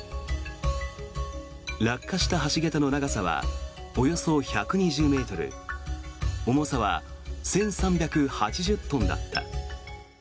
落下した橋桁の長さはおよそ１２０ｍ重さは１３８０トンだった。